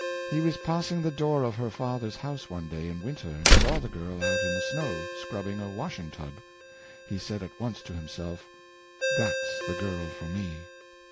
He was passing the door of her father's house one day in winter, and saw the girl out in the snow, scrubbing a washing tub. He said at once to himself, " that s the girl for me."